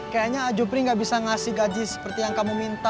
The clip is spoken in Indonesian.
kayaknya jupri gak bisa ngasih gaji seperti yang kamu minta